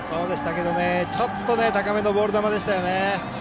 ちょっと高めのボール球でした。